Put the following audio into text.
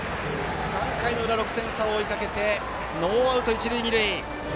３回の裏、６点差を追いかけてノーアウト、一塁二塁。